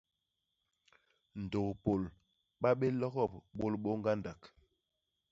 Ndôk Pôl ba bé logop bôlbô ñgandak!